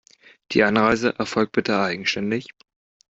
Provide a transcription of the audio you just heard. Die Anreise erfolgt bitte eigenständig.